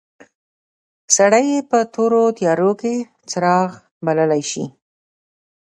سړی یې په تورو تیارو کې څراغ بللای شي.